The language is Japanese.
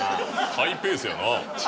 ハイペースやな。